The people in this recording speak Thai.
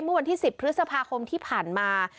เมื่อวันที่๑๐พฤษภาคมที่ผ่านมา